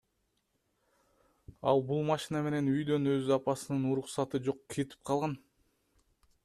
Ал бул машина менен үйдөн өз апасынын уруксаты жок кетип калган.